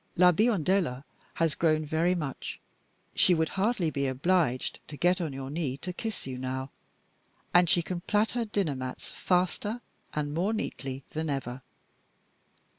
La Biondella has grown very much; she would hardly be obliged to get on your knee to kiss you now; and she can plait her dinner mats faster and more neatly than ever.